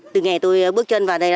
từ ngày tôi bước chân vào đây